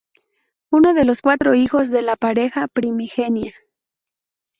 Uno de los cuatro hijos de la pareja primigenia.